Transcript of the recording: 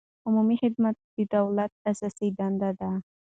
عمومي خدمت د دولت اساسي دنده ده.